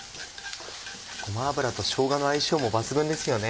ごま油としょうがの相性も抜群ですよね。